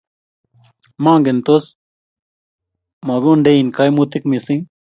maangen tos mukundein kaimutik mising